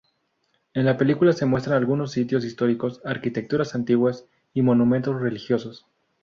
En la película se muestran algunos sitios históricos, arquitecturas antiguas y monumentos religiosos.